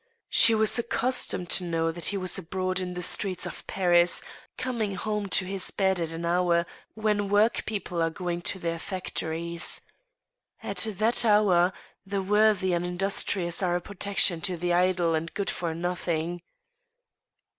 She was accustomed to know that he was abroad in the streets of Paris, coming home to his bed at an hour when work people are going to their factories. At that hour the worthy and" industrious are a protection to the idle and good for nothing.